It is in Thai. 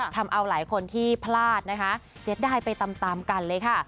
ทำเอาหลายคนที่พลาดนะคะเสียดายไปตามกันเลยค่ะ